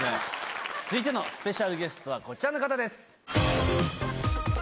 続いてのスペシャルゲストはこちらの方です。